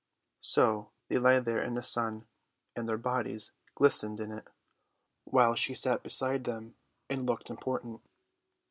So they lay there in the sun, and their bodies glistened in it, while she sat beside them and looked important.